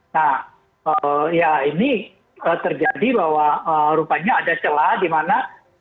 nah ya ini terjadi bahwa rupanya ada celah di mana